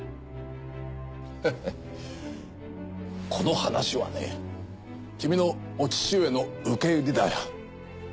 ハハこの話はね君のお父上の受け売りだよ。